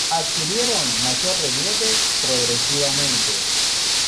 Adquirieron mayor relieve progresivamente.